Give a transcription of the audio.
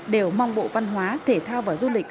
đều mong bộ văn hóa thể thao và du lịch